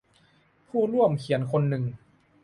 ผู้ร่วมเขียนคนนึง